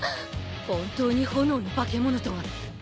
本当に炎の化け物とは。